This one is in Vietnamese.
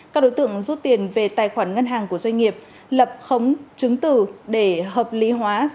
các đối tượng rút tiền về tài khoản ngân hàng của doanh nghiệp lập khống chứng tử để hợp lý hóa